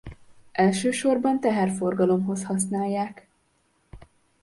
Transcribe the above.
Elsősorban teherforgalomhoz használják.